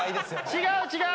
違う違う。